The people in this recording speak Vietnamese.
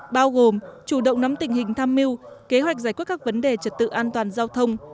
bao gồm chủ động nắm tình hình tham mưu kế hoạch giải quyết các vấn đề trật tự an toàn giao thông